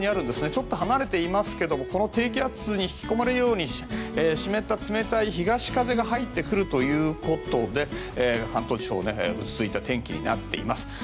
ちょっと離れていますけどもこの低気圧に引き込まれるように湿った冷たい東風が入ってくるということで関東地方ぐずついた天気になっています。